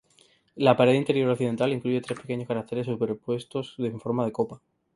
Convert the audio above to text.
La pared interior occidental incluye tres pequeños cráteres superpuestos en forma de copa.